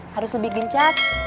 harus lebih gencat